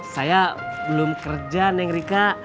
saya belum kerja neng rika